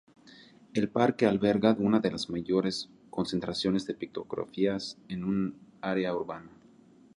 El parque alberga una de las mayores concentraciones de pictografías en un área urbana.